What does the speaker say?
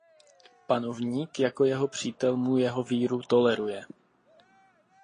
Panovník jako jeho přítel mu jeho víru toleruje.